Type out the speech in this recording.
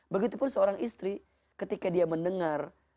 begitupun seorang istri ketika dia mendengar